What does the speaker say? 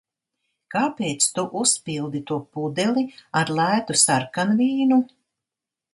Kāpēc tu uzpildi to pudeli ar lētu sarkanvīnu?